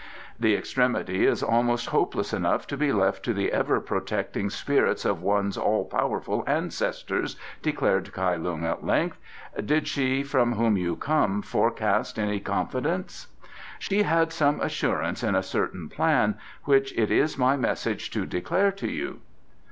"The extremity is almost hopeless enough to be left to the ever protecting spirits of one's all powerful Ancestors," declared Kai Lung at length. "Did she from whom you come forecast any confidence?" "She had some assurance in a certain plan, which it is my message to declare to you."